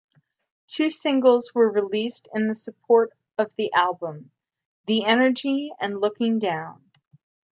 Two singles were released in support of the album, "The Energy" and "Looking Down".